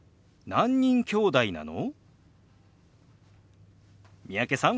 何人きょうだいなの？